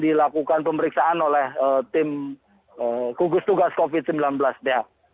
nah ini juga akan dilakukan pemeriksaan oleh tim kugus tugas covid sembilan belas